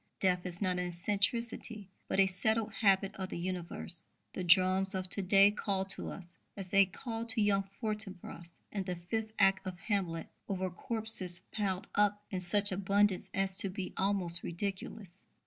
Death is not an eccentricity, but a settled habit of the universe. The drums of to day call to us, as they call to young Fortinbras in the fifth act of Hamlet, over corpses piled up in such abundance as to be almost ridiculous.